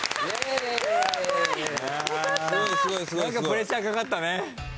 プレッシャーかかったね。